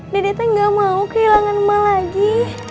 dedek teh nggak mau kehilangan mak lagi